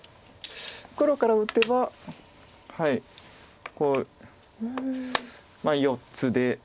黒から打てばこう４つで。